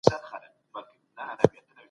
پانګوال په هره برخه کي پانګونه نه کوي.